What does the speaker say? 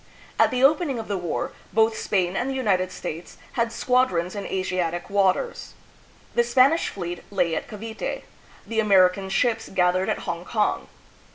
At the opening of the war, both Spain and the United States had squadrons in Asiatic waters. The Spanish fleet lay at Cavite, the American ships gathered at Hong kong.